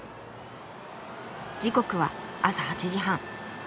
時刻は朝８時半。